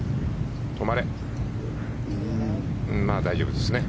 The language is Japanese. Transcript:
大丈夫ですね。